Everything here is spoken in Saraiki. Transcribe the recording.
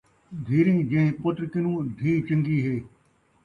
دھیریں جیہیں پتر کنوں ، دھی چن٘ڳی ہے